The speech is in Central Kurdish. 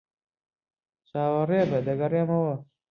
چاوەڕێبە. دەگەڕێمەوە.